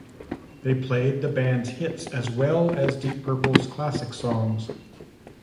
They played the band's hits as well as Deep Purple's classic songs.